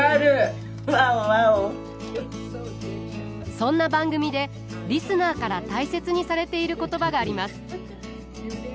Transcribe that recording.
そんな番組でリスナーから大切にされている言葉があります。